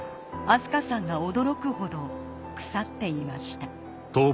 明日香さんが驚くほど腐っていました